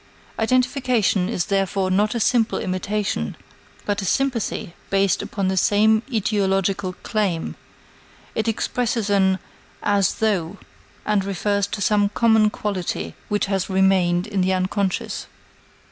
Identification is therefore not a simple imitation, but a sympathy based upon the same etiological claim; it expresses an "as though," and refers to some common quality which has remained in the unconscious.